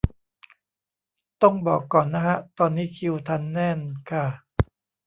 ต้องบอกก่อนนะฮะ ตอนนี้คิวทันแน่นค่ะ